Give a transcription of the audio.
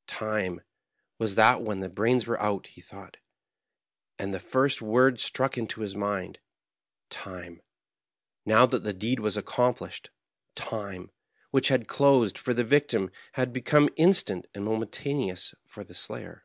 " Time, was that when the brains were out," he thought ; and the first word struck into his mind. Time, now that the deed was accom plished — time, which had closed for the victim, had be come instant and momentous for the slayer.